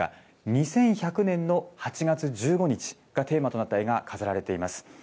２１００年の８月１５日がテーマとなった絵が飾られています。